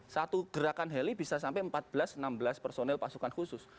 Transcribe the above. satu gerakan heli bisa sampai empat belas enam belas personil pasukan khusus